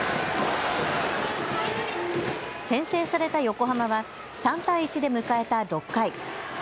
先制された横浜は３対１で迎えた６回。